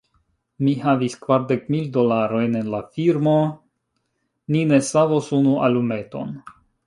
Mi havis kvardek mil dolarojn en la firmo; ni ne savos unu alumeton.